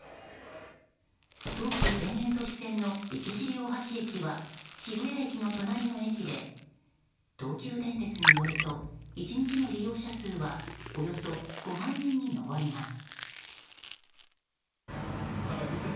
東急田園都市線の池尻大橋駅は渋谷駅の隣の駅で東急電鉄によると１日の利用者数はおよそ５万人に上ります。